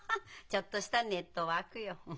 ちょっとしたネットワークよ。